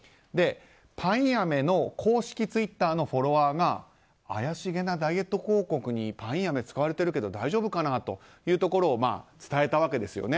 パインアメの公式ツイッターのフォロワーが怪しげなダイエット広告にパインアメ使われているけど大丈夫かなと伝えたわけですよね。